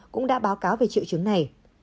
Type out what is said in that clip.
cũng đã báo cáo về triệu chứng này